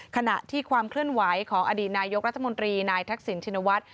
ขณะที่ความเคลื่อนไหวของอดีตนายกรัฐมนตรีนายทักษิณชินวัฒน์